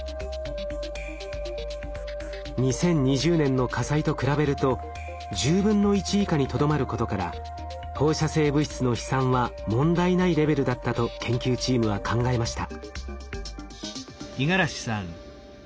２０２０年の火災と比べると１０分の１以下にとどまることから放射性物質の飛散は問題ないレベルだったと研究チームは考えました。